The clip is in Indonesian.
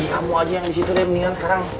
kamu aja yang disitu deh mendingan sekarang